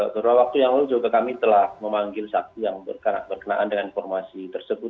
beberapa waktu yang lalu juga kami telah memanggil saksi yang berkenaan dengan informasi tersebut